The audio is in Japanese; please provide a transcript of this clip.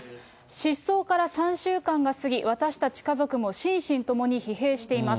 失踪から３週間が過ぎ、私たち家族も心身ともに疲弊しています。